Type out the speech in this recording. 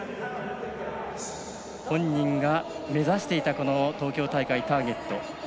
本人が目指していた東京大会ターゲット。